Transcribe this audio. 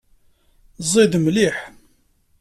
Ẓid mliḥ.